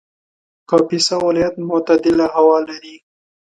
کاپیسا ولایت معتدله هوا لري